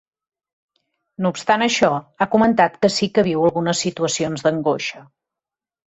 No obstant això, ha comentat que sí que viu algunes situacions d’angoixa.